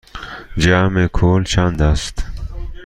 جمع کل چند است؟